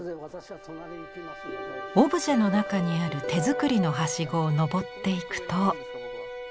オブジェの中にある手作りのはしごを登っていくと。